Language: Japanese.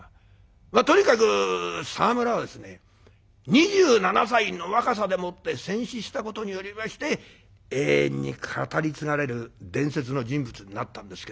まあとにかく沢村はですね２７歳の若さでもって戦死したことによりまして永遠に語り継がれる伝説の人物になったんですけども。